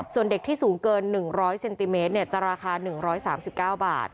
ส่วนเด็กที่สูงเกิน๑๐๐เซนติเมตรจะราคา๑๓๙บาท